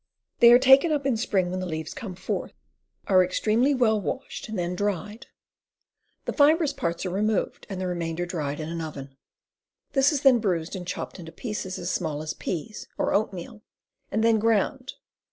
They are taken up in spring when the leaves come forth, are extremely well washed. WILDERNESS EDIBLE PLANTS 237 and then dried. The fibrous parts are removed, and the re mainder dried in an oven. This is then bruised and chopped into pieces as small as peas or oatmeal, and then ground.